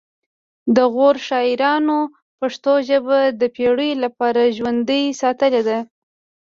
د غور شاعرانو پښتو ژبه د پیړیو لپاره ژوندۍ ساتلې ده